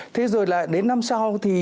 thế rồi là đến năm sau thì